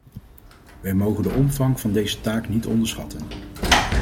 Wij mogen de omvang van deze taak niet onderschatten.